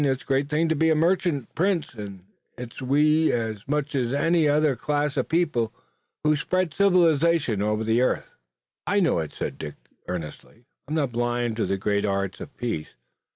It's a great thing to be a merchant prince, and it's we, as much as any other class of people, who spread civilization over the earth." "I know it," said Dick earnestly. "I'm not blind to the great arts of peace.